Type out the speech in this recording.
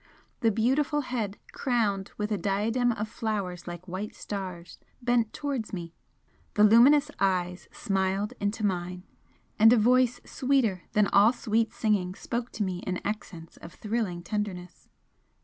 The beautiful head, crowned with a diadem of flowers like white stars, bent towards me the luminous eyes smiled into mine, and a voice sweeter than all sweet singing spoke to me in accents of thrilling tenderness.